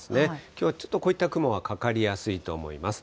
きょうはちょっとこういった雲がかかりやすいと思います。